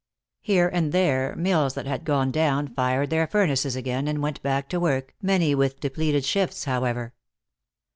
Here and there mills that had gone down fired their furnaces again and went back to work, many with depleted shifts, however.